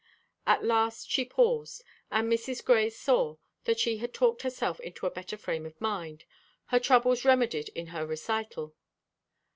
At last she paused, and Mrs. Grey saw that she had talked herself into a better frame of mind, her troubles remedied in their recital.